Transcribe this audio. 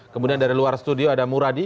kemudian dari luar studio ada muradi